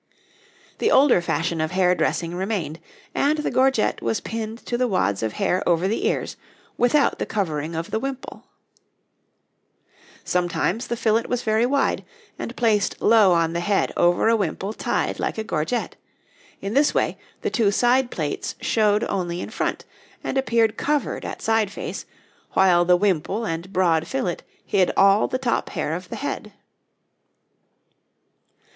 The older fashion of hair dressing remained, and the gorget was pinned to the wads of hair over the ears, without the covering of the wimple. Sometimes the fillet was very wide, and placed low on the head over a wimple tied like a gorget; in this way the two side plaits showed only in front and appeared covered at side face, while the wimple and broad fillet hid all the top hair of the head.